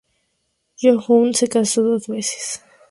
Young se casó dos veces.